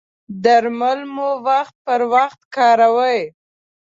درمل مو وخت پر وخت کاروئ؟